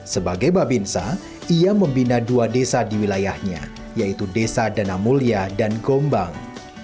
sebagai babinsa ia membina dua desa di wilayahnya yaitu desa dana mulia dan gombang